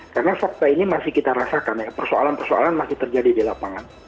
karena sempat ini masih kita rasakan persoalan persoalan masih terjadi di lapangan